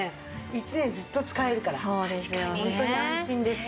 １年ずっと使えるからホントに安心です。